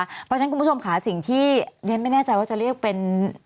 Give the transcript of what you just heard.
เพราะฉะนั้นคุณผู้ชมค่ะสิ่งที่เรียนไม่แน่ใจว่าจะเรียกเป็น